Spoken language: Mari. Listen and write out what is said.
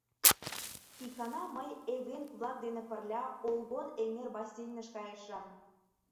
Икана мый эвенк-влак дене пырля Олгон эҥер бассейныш кайышым.